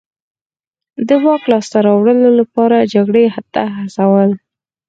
د واک لاسته راوړلو لپاره جګړې ته هڅول.